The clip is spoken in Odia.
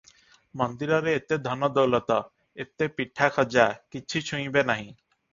ମନ୍ଦିରରେ ଏତେ ଧନ ଦୌଲତ, ଏତେ ପିଠା ଖଜା କିଛି ଛୁଇଁବେ ନାହିଁ ।